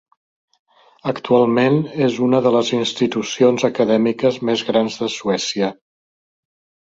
Actualment és una de les institucions acadèmiques més grans de Suècia.